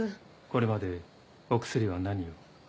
これまでお薬は何を？